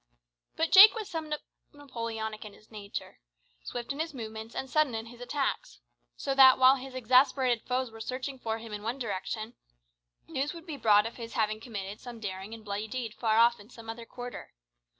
But Jake was somewhat Napoleonic in his character, swift in his movements, and sudden in his attacks; so that, while his exasperated foes were searching for him in one direction, news would be brought of his having committed some daring and bloody deed far off in some other quarter.